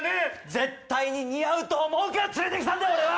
絶対に似合うと思うから連れてきたんだよ俺は！